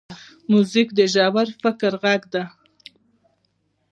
موزیک د ژور فکر غږ دی.